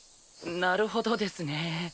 なるほどですね。